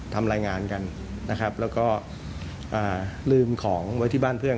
ทำรายงานกันนะครับแล้วก็ลืมของไว้ที่บ้านเพื่อน